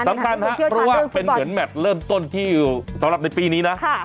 สำคัญครับเพราะว่าเป็นเหมือนแมทเริ่มต้นที่สำหรับในปีนี้นะ